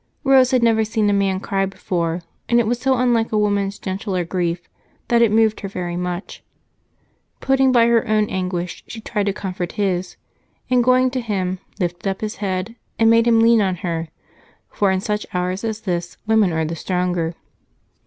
Rose had never seen a man cry before, and it was so unlike a woman's gentler grief that it moved her very much. Putting by her own anguish, she tried to comfort his and, going to him, lifted up his head and made him lean on her, for in such hours as this women are the stronger.